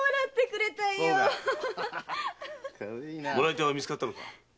もらい手は見つかったのか？